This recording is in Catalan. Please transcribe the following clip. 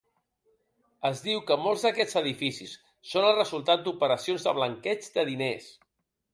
Es diu que molts d'aquests edificis són el resultat d'operacions de blanqueig de diners.